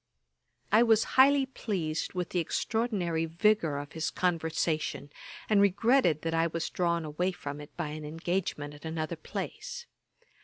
I was highly pleased with the extraordinary vigour of his conversation, and regretted that I was drawn away from it by an engagement at another place.